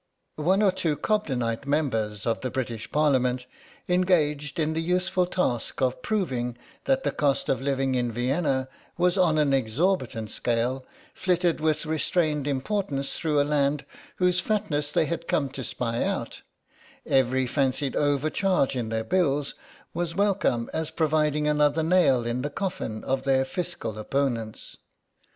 One or two Cobdenite members of the British Parliament engaged in the useful task of proving that the cost of living in Vienna was on an exorbitant scale, flitted with restrained importance through a land whose fatness they had come to spy out; every fancied over charge in their bills was welcome as providing another nail in the coffin of their fiscal opponents.